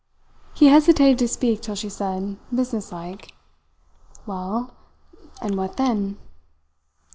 He hesitated to speak till she said, businesslike: "Well. And what then?"